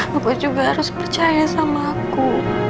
bapak juga harus percaya sama aku